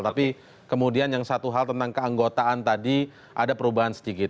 tapi kemudian yang satu hal tentang keanggotaan tadi ada perubahan sedikit